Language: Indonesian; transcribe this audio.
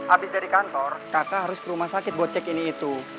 abis dari kantor kakak harus ke rumah sakit buat cek ini itu